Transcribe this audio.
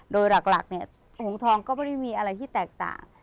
โดยหลักหงฐองก็ไม่มีอะไรที่แตกต่าง